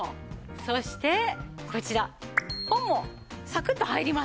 そしてこちら本もサクッと入りますね。